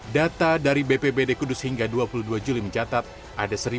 data dari bpbd kudus hingga dua puluh dua juli mencatat ada satu dua ratus enam puluh lima kasus kematian